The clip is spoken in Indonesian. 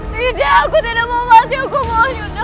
tidak aku tidak mau mati aku mohon yunda